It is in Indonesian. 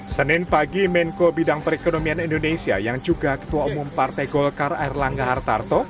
senin pagi menko bidang perekonomian indonesia yang juga ketua umum partai golkar air langga hartarto